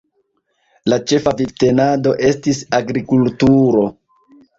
La ĉefa vivtenado estis agrikultuuro.